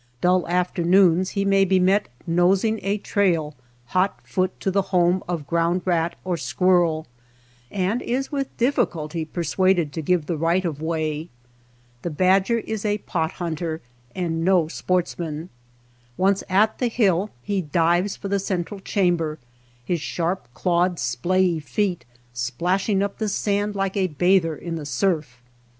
Dull afternoons he may be met nosing a trail hot foot to the home of ground rat or squirrel, and is with difficulty persuaded to give the right of way. The badger is a pot hunter and no sportsman. Once at the hill, he dives for the central chamber, his sharp clawed, splayey feet splashing up the sand like a bather in the surf.